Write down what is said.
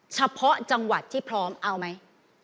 เฉพาะจังหวัดที่พร้อมเอาไหม